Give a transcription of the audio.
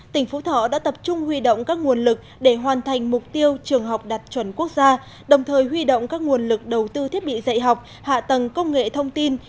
tỉnh phú thọ đã tập trung huy động các nguồn lực để hoàn thành mục tiêu trường học đạt chuẩn quốc gia đồng thời huy động các nguồn lực đầu tư thiết bị dạy học hạ tầng công nghệ thông tin